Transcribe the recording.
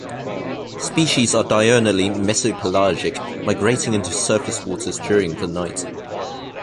Species are diurnally mesopelagic, migrating into surface waters during the night.